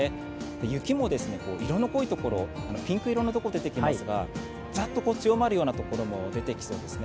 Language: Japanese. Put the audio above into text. ・雪も色の濃いところ、ピンク色のところが出てきますがざっと強まるようなところも出てきそうですね。